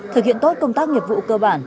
thực hiện tốt công tác nghiệp vụ cơ bản